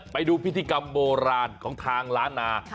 ไปดูพิธีกรรมโบราณของทางล้านนา